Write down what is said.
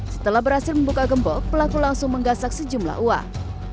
setelah berhasil membuka gembok pelaku langsung menggasak sejumlah uang